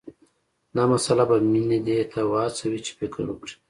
دا مسله به مينه دې ته وهڅوي چې فکر وکړي